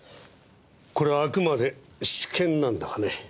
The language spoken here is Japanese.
これはあくまで私見なんだがね